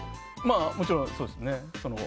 もちろん、そうですね。